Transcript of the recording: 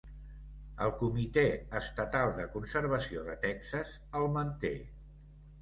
El Comitè Estatal de Conservació de Texas el manté.